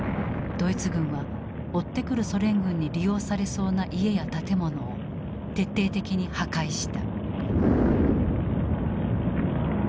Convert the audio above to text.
ドイツ軍は追ってくるソ連軍に利用されそうな家や建物を徹底的に破壊した。